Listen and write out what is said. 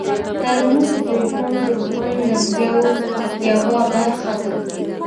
ترموز د ژوند د خوند یوه برخه ده.